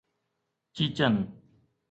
چيچن